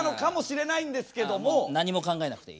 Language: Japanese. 何も考えなくていい。